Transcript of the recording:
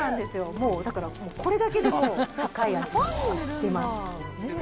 もうだからこれだけで、もう深い味が出ます。